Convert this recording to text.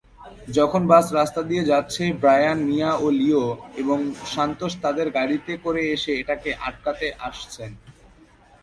যখন বাস রাস্তা দিয়ে যাচ্ছে, ব্রায়ান, মিয়া, লিও এবং সান্তোস তাদের গাড়িতে করে এসে এটাকে আটকাতে আসছেন।